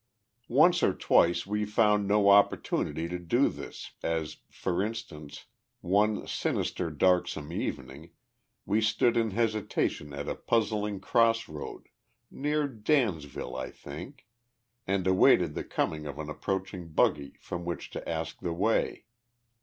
Once or twice we found no opportunity to do this, as, for instance, one sinister, darksome evening, we stood in hesitation at a puzzling cross road near Dansville, I think and awaited the coming of an approaching buggy from which to ask the way.